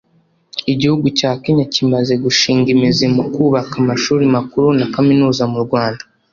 Igihugu cya Kenya kimaze gushinga imizi mu kubaka amashuri makuru na kaminuza mu Rwanda